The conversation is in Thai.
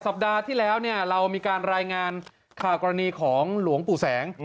สัปดาห์ที่แล้วเรามีการรายงานข่าวกรณีของหลวงปู่แสง